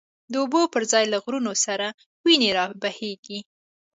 د اوبو پر ځای له غرونو، سری وینی را بهیږی